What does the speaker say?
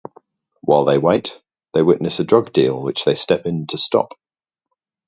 While they wait, they witness a drug deal which they step in to stop.